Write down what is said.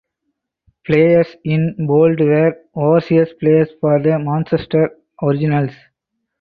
Players in Bold were overseas players for the Manchester Originals.